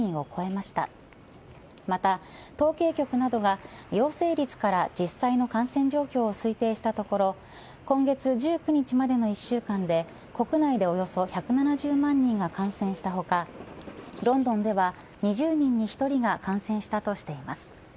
また統計局などが陽性率から実際の感染状況を推定したところ今月１９日までの１週間で国内でおよそ１７０万人が感染した他ロンドンでは２０人に１人が感染したとしています。